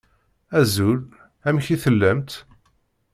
Azul! Amek i tellamt?